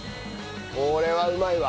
これはうまいわ。